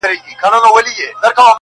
زړونه نسته په سینو کي د شاهانو٫